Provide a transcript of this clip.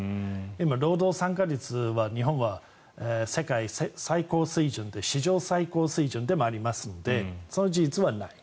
今、労働参加率は日本は世界最上水準で史上最高水準でありますのでその事実はない。